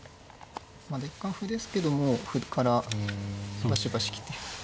まあ第一感歩ですけども歩からバシバシ来て。